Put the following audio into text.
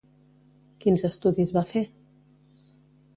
Quins estudis va fer?